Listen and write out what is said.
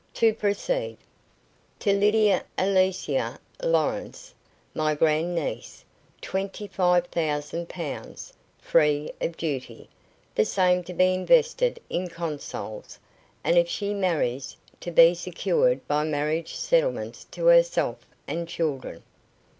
To proceed: "To Lydia Alicia Lawrence, my grand niece, twenty five thousand pounds, free of duty, the same to be invested in Consols, and if she marries, to be secured by marriage settlements to herself and children."